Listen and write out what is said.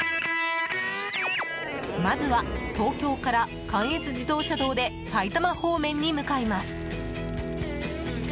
まずは、東京から関越自動車道で埼玉方面に向かいます。